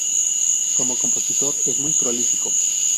Como compositor es muy prolífico.